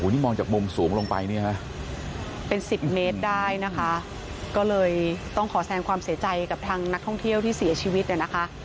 นี่มองจากมุมสูงลงไปเนี่ยฮะเป็นสิบเมตรได้นะคะก็เลยต้องขอแสงความเสียใจกับทางนักท่องเที่ยวที่เสียชีวิตเนี่ยนะคะ